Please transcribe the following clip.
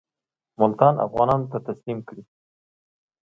ملتان افغانانو ته تسلیم کړي.